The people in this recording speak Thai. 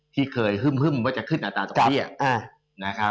ที่เคยฮึ่มว่าจะขึ้นอัตราตกเปียก